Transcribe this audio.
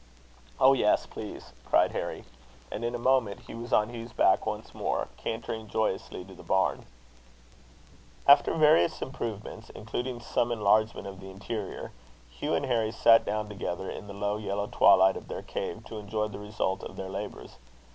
"Oh! yes, please," cried Harry; and in a moment he was on Hugh's back once more, cantering joyously to the barn. After various improvements, including some enlargement of the interior, Hugh and Harry sat down together in the low yellow twilight of their cave, to enjoy the result of their labours.